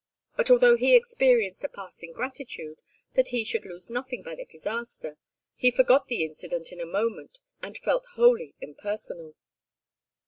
But although he experienced a passing gratitude that he should lose nothing by the disaster, he forgot the incident in a moment: he felt wholly impersonal.